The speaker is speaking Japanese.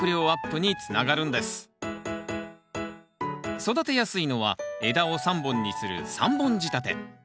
育てやすいのは枝を３本にする３本仕立て。